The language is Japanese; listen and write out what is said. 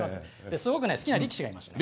すごく好きな力士がいましてね。